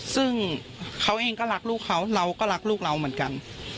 ซึ่งเขาเองก็รักลูกเขาเราก็รักลูกเราเหมือนกัน